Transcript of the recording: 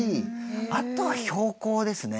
あとは標高ですね。